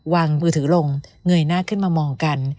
มือถือลงเงยหน้าขึ้นมามองกัน